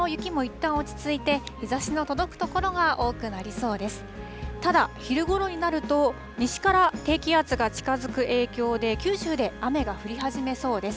ただ、昼ごろになると西から低気圧が近づく影響で、九州で雨が降り始めそうです。